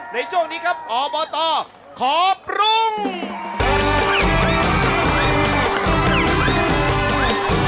ในช่วงนี้ครับออเบอร์ตอร์ขอปรุง